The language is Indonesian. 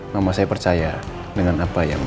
nama saya percaya dengan apa yang